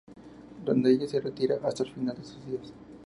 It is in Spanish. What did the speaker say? Donde ella se retira hasta el final de sus días.